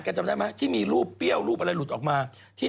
จำได้ไหมที่มีรูปเปรี้ยวรูปอะไรหลุดออกมา